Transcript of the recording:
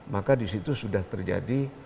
maka disitu sudah terjadi